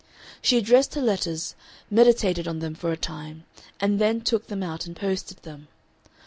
She addressed her letters, meditated on them for a time, and then took them out and posted them.